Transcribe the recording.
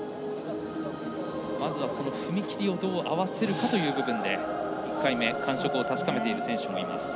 まずは踏み切りをどう合わせるかという部分で１回目感触を確かめる選手もいます。